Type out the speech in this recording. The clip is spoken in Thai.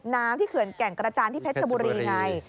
ที่เขื่อนแก่งกระจานที่เพชรชบุรีไง